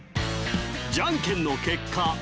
じゃんけんの結果